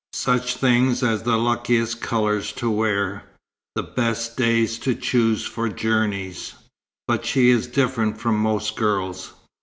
Such things as the luckiest colours to wear, the best days to choose for journeys. But she is different from most girls.